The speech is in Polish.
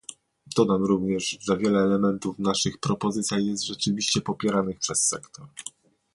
Dodam również, że wiele elementów w naszych propozycjach jest rzeczywiście popieranych przez sektor